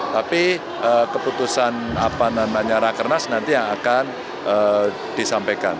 tapi keputusan apa nama nyara kernas nanti yang akan disampaikan